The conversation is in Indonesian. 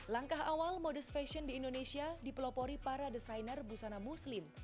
langkah awal modus fashion di indonesia dipelopori para desainer busana muslim